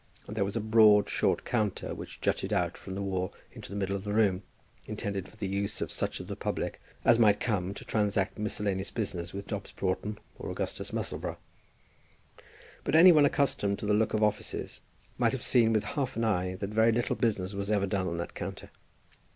And there was a broad, short counter which jutted out from the wall into the middle of the room, intended for the use of such of the public as might come to transact miscellaneous business with Dobbs Broughton or Augustus Musselboro. But any one accustomed to the look of offices might have seen with half an eye that very little business was ever done on that counter.